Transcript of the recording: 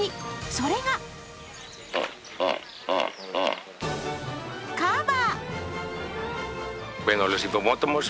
それがカバ。